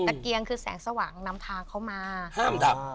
เกียงคือแสงสว่างนำทางเข้ามาห้ามดับ